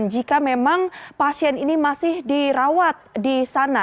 jika memang pasien ini masih dirawat di sana